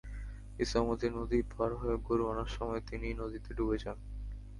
ইছামতী নদী পার হয়ে গরু আনার সময় তিনি নদীতে ডুবে যান।